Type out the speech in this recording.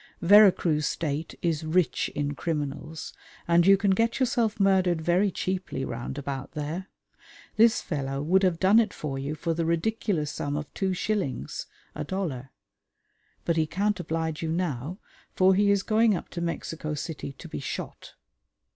Vera Cruz State is rich in criminals, and you can get yourself murdered very cheaply round about there. This fellow would have done it for you for the ridiculous sum of two shillings (a dollar); but he can't oblige you now, for he is going up to Mexico City to be shot.